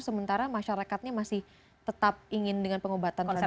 sementara masyarakatnya masih tetap ingin dengan pengobatan selanjutnya